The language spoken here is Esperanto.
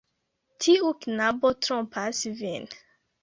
Tiu knabo trompas vin.